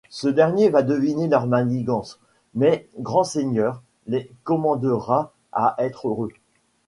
Ce-dernier va deviner leurs manigances, mais grand seigneur, les condamnera à être heureux.